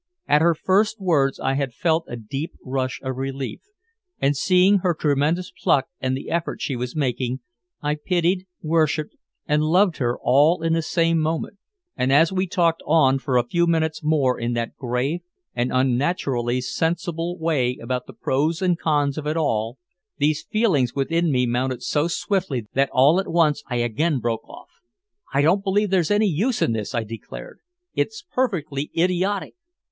At her first words I had felt a deep rush of relief, and seeing her tremendous pluck and the effort she was making, I pitied, worshiped and loved her all in the same moment. And as we talked on for a few minutes more in that grave and unnaturally sensible way about the pros and cons of it all, these feelings within me mounted so swiftly that all at once I again broke off. "I don't believe there's any use in this," I declared. "It's perfectly idiotic!"